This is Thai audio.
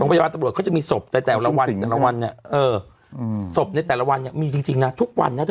พยาบาลตำรวจเขาจะมีศพในแต่ละวันแต่ละวันเนี่ยเออศพในแต่ละวันเนี่ยมีจริงนะทุกวันนะเธอ